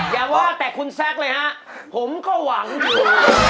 อย่าว่าแต่คุณแซ่งเลยครับผมก็หวังอยู่